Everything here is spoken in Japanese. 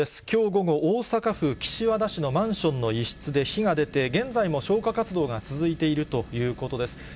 きょう午後、大阪府岸和田市のマンションの一室で火が出て、現在も消火活動が続いているということです。